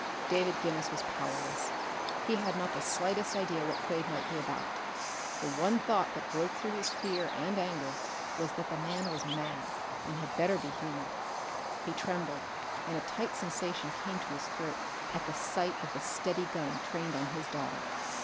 David Guinness was powerless. He had not the slightest idea what Quade might be about; the one thought that broke through his fear and anger was that the man was mad, and had better be humored. He trembled, and a tight sensation came to his throat at sight of the steady gun trained on his daughter.